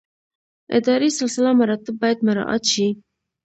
اداري سلسله مراتب باید مراعات شي